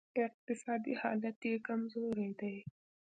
اقتصادي حالت یې کمزوری دی